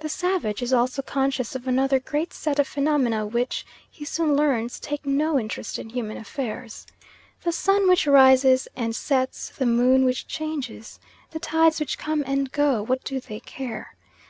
The savage is also conscious of another great set of phenomena which, he soon learns, take no interest in human affairs. The sun which rises and sets, the moon which changes, the tides which come and go: what do they care?